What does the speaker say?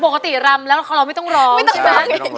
ปกติรำแล้วเราไม่ต้องร้องใช่ไหม